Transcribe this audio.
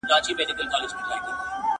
فکري ثبات د شعوري هڅو په پايله کي راځي.